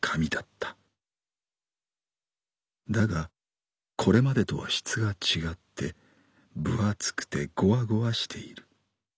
だがこれまでとは質が違って分厚くてごわごわしている。